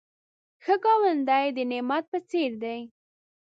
ښه ګاونډی د نعمت په څېر دی